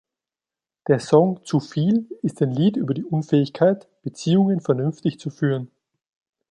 Der Song "Zuviel" ist ein Lied über die Unfähigkeit, Beziehungen vernünftig zu führen.